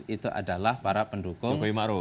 itu adalah para pendukung